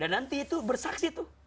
dan nanti itu bersaksi tuh